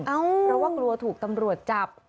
เพราะว่ากลัวถูกตำรวจจับ